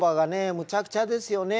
むちゃくちゃですよね。